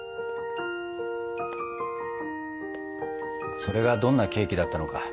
それがどんなケーキだったのか